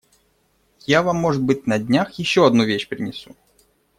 Я вам может быть, на днях, еще одну вещь принесу.